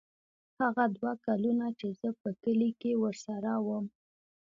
هغه دوه کاله چې زه په کلي کښې ورسره وم.